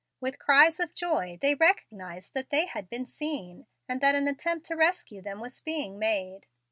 With cries of joy they recognized that they had been seen, and that an attempt to rescue them was being made.